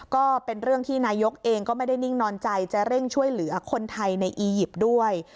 ก็เป็นเรื่องที่นายกเองก็ไม่ได้นิ่งนอนใจจะเร่งช่วยเหลือคนไทยในอียิปต์ด้วย